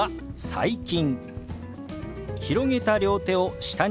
「最近」。